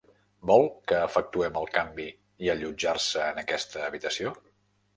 Vol que efectuem el canvi i allotjar-se en aquesta habitació?